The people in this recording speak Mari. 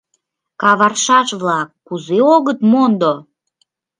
Каваршаш-влак, кузе огыт мондо?